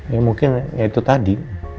ya mungkin ya itu tadi